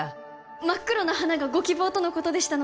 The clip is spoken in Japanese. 真っ黒な花がご希望とのことでしたので